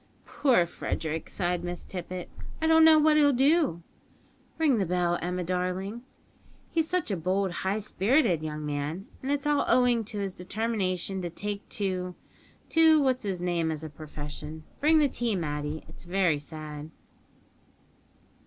"Poor Frederick," sighed Miss Tippet, "I don't know what he'll do (ring the bell, Emma, darling); he's such a bold, high spirited young man, and it's all owing to his determination to take to to what's 'is name as a profession (bring the tea, Matty). It's very sad."